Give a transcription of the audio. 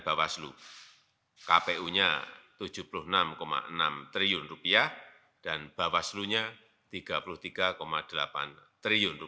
bawaslu kpu nya rp tujuh puluh enam enam triliun dan bawaslu nya rp tiga puluh tiga delapan triliun